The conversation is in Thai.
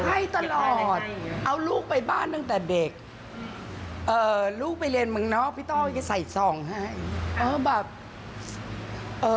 ให้ตลอดเอาลูกไปบ้านตั้งแต่เด็กลูกไปเรียนเมืองนอกพี่ตุ๊กก็ใส่ส่องให้